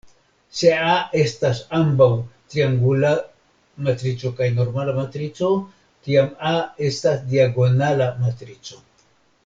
Se "A" estas ambaŭ triangula matrico kaj normala matrico, tiam "A" estas diagonala matrico.